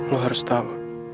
lo harus tau